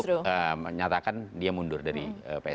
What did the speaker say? dia menyatakan dia mundur dari pssi